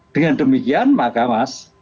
dengan demikian mbak kamas